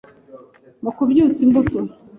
Mu kubyutsa imbuto